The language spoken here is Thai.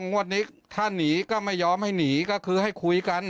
งวดนี้ถ้าหนีก็ไม่ยอมให้หนีก็คือให้คุยกัน